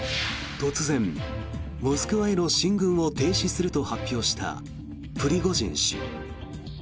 突然、モスクワへの進軍を停止すると発表したプリゴジン氏。